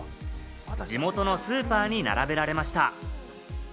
地元のスーパーに並べられました。